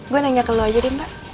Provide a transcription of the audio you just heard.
gue nanya ke lu aja deh mbak